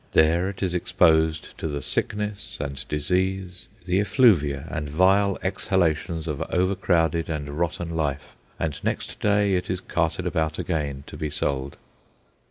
There it is exposed to the sickness and disease, the effluvia and vile exhalations of overcrowded and rotten life, and next day it is carted about again to be sold.